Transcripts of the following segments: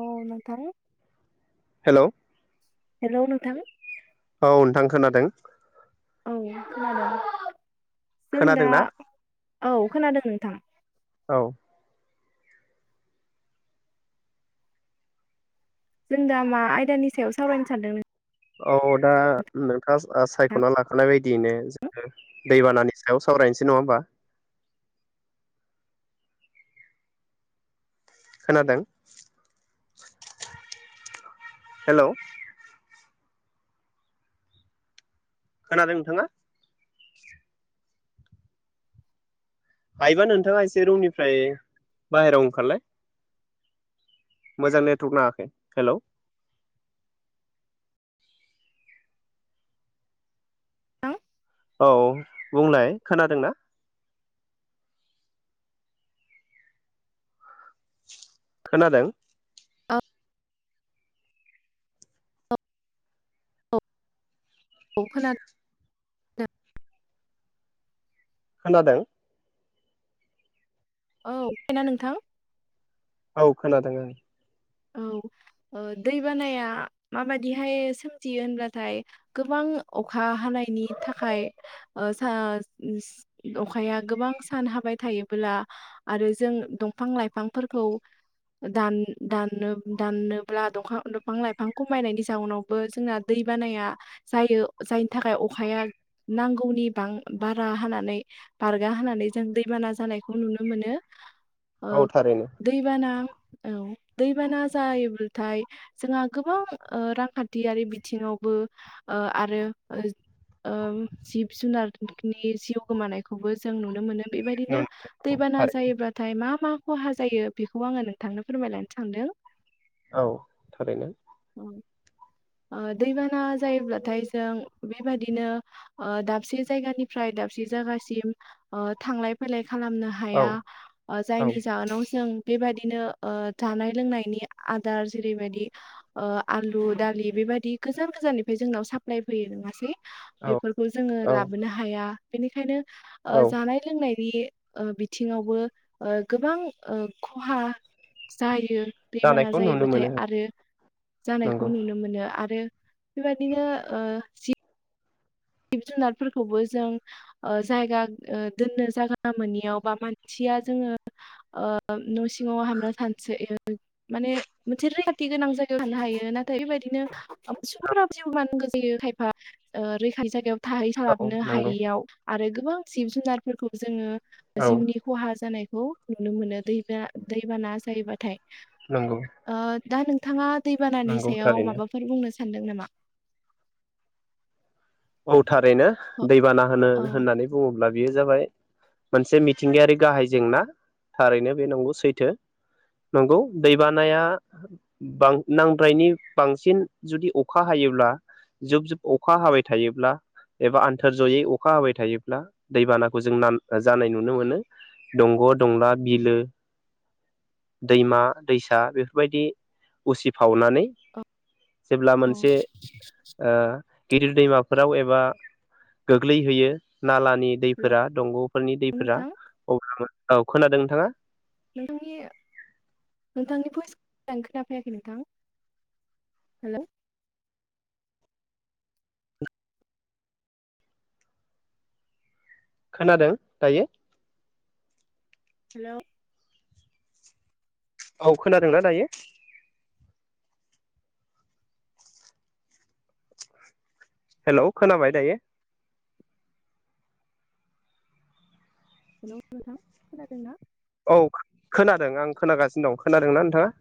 औ नोंथां। Hello. Hello नोंथां औ नोंथां खोनादों उम खोनादों जों दा खोनादोंना औ खोनादों नोंथां औ जों दा मा आयदानि सायाव सावरायनो सानदों नोंथां? औ दा नोंथाङा सायख'ना लाखानाय बायदियैनो जोङो दैबानानि सायाव सावरायनोसै नङा होमबा। खोनादों हेल' खोनादों नोंथाङा हायोबा नोंथाङा एसे रुमनिफ्राय बाहेरायाव ओंखारलाय। मोजां नेटवर्क नाङाखै हेलौ औ बुंलाय खोनादोंना खोनादों औ खोनादों खोनादों औ खोनादों नोंथां औ खोनादों ओं औ दैबानाया माबाददिहाय सोमजियो होनब्लााथाय गोबां अखा हानायनि थाखाय ओ अखाया गोबां सान हाबाय थायोबोला आरो जों दंफां लाइफांफोरखौ दान दानोब्ला दफां दंफां लाइफां खमायनायनि जाउनावबो जोंना दैबानाया जायो जायनि थाखाय अखाया नांगौनि बारा हानानै बारगा होनानै जों दैबाना जानायखौ नुनो मोनो औ थारैनो दैबाना औ दैबाना जायोब्लाथाय जोंहा गोबां रांखान्थियारि बिथिङावबो आरो जिब जुनारनि जिउ गोमानायखौबो जों नुनो मोनो बेबायदिनो दैबाना थारैनो जायोब्लााथाय मा मा खहा जायो बेखौ आङो नोंथांनो फोरमायलानो सानदों औ थारैनो औ, ओ दैबाना जायोब्लाथाय जों बेबादिनो ओ दाबसे जायगानिफ्राय दाबसे जायगासिम ओ थांलाय फैलाय खालामनो औ हाया औ जायनि जाहोनाव जों बेबायदिनो जानाय लोंनायनि आदार जेरैबायाददि आलु दालि बेबायदि गोजान गोजाननिफ्राय जोंनाव साप्लााय फैयो नङासै? औ बेफोरखौ जोङो औ लाबोनो हाया। बेनिखायनो ओ औ जानाय लोंनाय नि ओ बिथिङावबो ओ गोबां ओ खहा जायो। दैबाना जानायखौ नुनो जायोबाथाय मोनो आरो जानायखौ नंगौ नुनो मोनो। आरो बेबायदिनो ओ जि जिब जुनारफोरखौबो जों ओ जायगा ओ दोननो जायगा मोनैयाव बा मानसिया जोङो ओ न' सिङाव हाबना थानसै माने मोनसे रैखाथि गोनां जायगायाव थानो हायो नाथाय बेबायदिनो [unintelligible] [unintelligible] खायफा ओ रै खाय जागायाव औ थाहैसबनो नंगौ हायैयाव। आरो गोबां जिब जुनारफोरखौ जोङो औ जिउनि खहा जानाय खौ नुनो मोनो दै बाना दैबाना जायोबाथाय। नोंगौ। ओ दा नोंथाङा दैबानानि सायाव माबाफोर बुंनोसै सानदों नामा? औ थारैनो दैबाना होनो औ होननानै बुङोब्ला बियो जाबाय मोनसे मिथिंगायारि गाहाय जेंना थारैनो बे नंगौ सैथो नंगौ दैबानाया बां नांद्रायनि बांसिन जुदि अखा हायोब्ला जुब जुब अखा हाबाय थायोब्ला एबा आन्थोर ज'यै अखा हाबाय थायोब्ला दैबानाखौ जों नाम जानाय नुनो मोनो दंग' दंला बिलो दैमा दैसा बेफोरबायदि उसिफावनानै जेब्ला मोनसे ओ गिदिर दैमा फोराव एबा गोग्लैहोयो नालानि हेलौ दैफोरा दंग'फोरनि दैफोरा नोंथां अब्ला औ खोनादों नोंथाङा? नोंथांनि नोंथांनि भइस खोनाफैयाखै नोंथां हेलौ। खोनादों दायो? हेलौ। औ खोनादोंना दायो? हेलौ खोनाबाय दायो? हेलौ नोंथां खोनादोंना? औ खोनादों आं खोनागासिनो दं खोनादोंना नोंथाङा?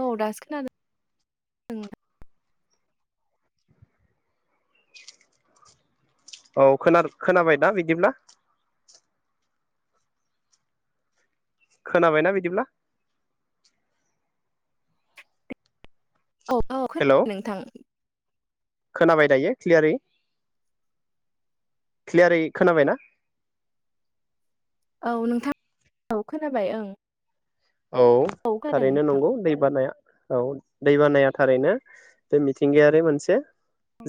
औ दासो खोनादों [unintelligible] औ खोना खोनाबाय दा बिदिब्ला? खोनाबायना बिदिब्ला? औ औ खोनादों हेलौ नोंथां। खोनाबाय दायो क्लियारै क्लियारै खोनाबाय ना? औ नोंथां औ खोनाबाय ओं। औ खोनादों थारैनो नोंथां नंगौ दै बानाया औ दै बानाया थारैनो बे मिथिंगायारि मोनसे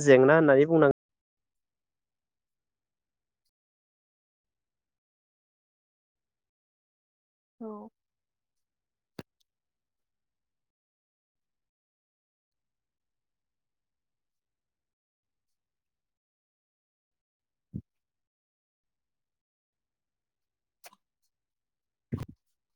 जेंना होननानै बुंनां औ [inaudible]